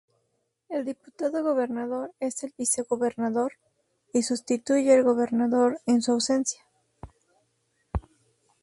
El diputado Gobernador es el vicegobernador, y sustituye al Gobernador en su ausencia.